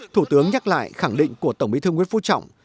thủ tướng nhắc lại khẳng định của tổng bí thư nguyễn phú trọng